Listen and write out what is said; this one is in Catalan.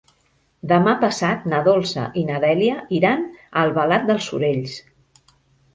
Demà passat na Dolça i na Dèlia iran a Albalat dels Sorells.